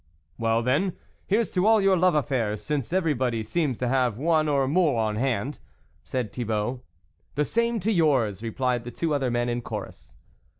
" Well, then, here's to all your love affairs! since everybody seems to have one or more on hand," said Thibault. " The same to yours !" replied the two other men in chorus.